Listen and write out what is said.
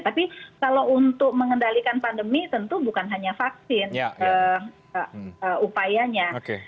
tapi kalau untuk mengendalikan pandemi tentu bukan hanya vaksin upayanya